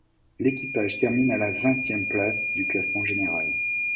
L'équipage termine à la vingtième lace du classement général.